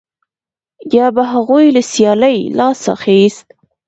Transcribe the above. یا به هغوی له سیالۍ لاس اخیست